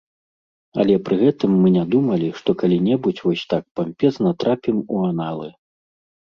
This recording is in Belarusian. Але пры гэтым мы не думалі, што калі-небудзь вось так пампезна трапім у аналы.